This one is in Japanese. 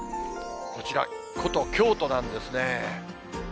こちら、子と、京都なんですね。